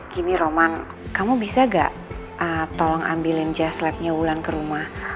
gini roman kamu bisa gak tolong ambilin jazz labnya ulan ke rumah